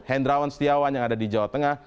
hendrawan setiawan yang ada di jawa tengah